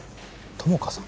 友果さん？